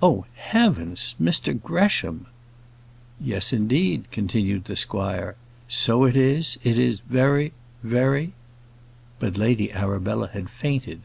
"Oh, heavens! Mr Gresham." "Yes, indeed," continued the squire. "So it is; it is very, very " But Lady Arabella had fainted.